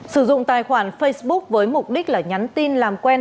sử dụng tài khoản facebook với mục đích là nhắn tin làm quen